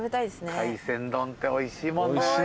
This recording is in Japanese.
海鮮丼っておいしいもんね。